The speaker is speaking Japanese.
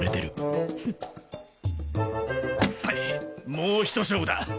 もうひと勝負だ。